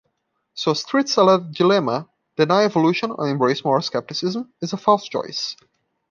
So Street's alleged "dilemma"-deny evolution or embrace moral skepticism-is a false choice.